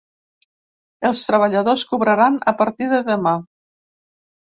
Els treballadors cobraran a partir de demà.